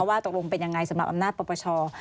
ว่าตกลงเป็นยังไงสำหรับอำนาจปปช